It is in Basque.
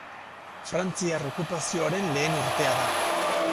Frantziar okupazioaren lehen urtea da.